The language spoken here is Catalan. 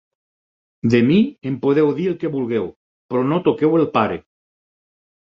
De mi, en podeu dir el que vulgueu, però no toqueu el pare!